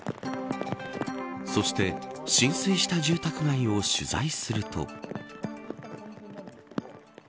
そして浸水した住宅街を取材すると。